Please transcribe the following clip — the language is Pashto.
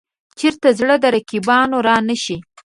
چېرته زړه د رقیبانو را نه شي.